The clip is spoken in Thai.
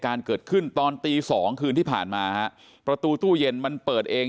การเกิดขึ้นตอนตีสองคืนที่ผ่านมาฮะประตูตู้เย็นมันเปิดเอง